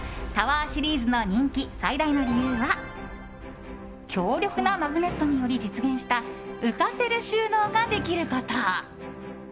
ｔｏｗｅｒシリーズの人気最大の理由は強力なマグネットにより実現した浮かせる収納ができること。